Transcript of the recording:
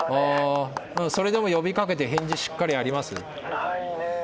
それでも呼びかけて返事しっかりあります？